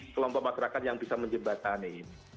kelompok masyarakat yang bisa menjembatani